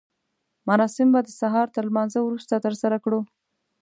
مراسم به د سهار تر لمانځه وروسته ترسره کړو.